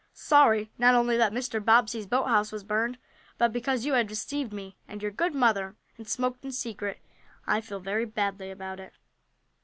"Sorry not only that Mr. Bobbsey's boathouse was burned, but because you have deceived me, and your good mother, and smoked in secret. I feel very badly about it."